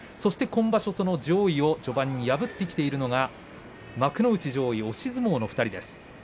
今場所上位を序盤破ってきているのが幕内上位を押し相撲の２人です。